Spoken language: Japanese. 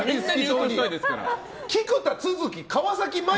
菊田、都築、川崎麻世。